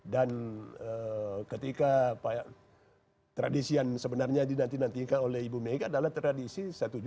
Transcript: dan ketika tradisian sebenarnya dinantikan oleh ibu mega adalah tradisi sebetulnya